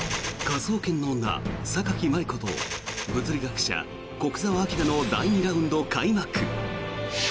科捜研の女、榊マリコと物理学者、古久沢明の第２ラウンド開幕！